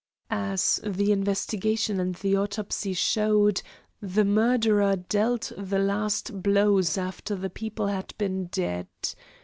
As the investigation and the autopsy showed, the murderer dealt the last blows after the people had been dead.